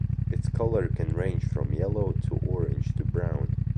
Its color can range from yellow to orange to brown.